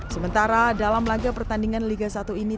sementara dalam laga pertandingan liga satu ini